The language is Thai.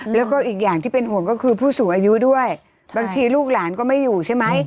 แล้วก็อีกอย่างที่เป็นห่วงก็คือผู้สูงอายุด้วยบางทีลูกหลานก็ไม่อยู่ใช่ไหม